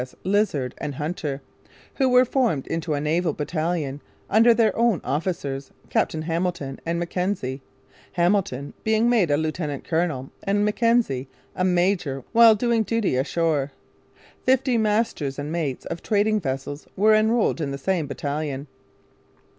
SS. Lizard and Hunter, who were formed into a naval battalion under their own officers, Captains Hamilton and McKenzie, Hamilton being made a lieutenant colonel and McKenzie a major while doing duty ashore. Fifty masters and mates of trading vessels were enrolled in the same battalion.